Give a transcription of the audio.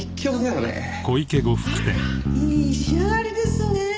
あらいい仕上がりですねぇ。